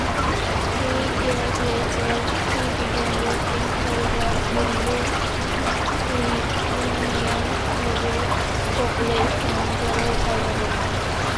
Three years later he began working for the Livonian Noble Corporation, the local government.